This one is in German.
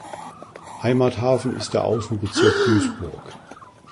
Heimathafen ist der Außenbezirk Duisburg.